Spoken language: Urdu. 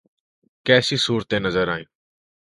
کیسی صورتیں نظر آئیں؟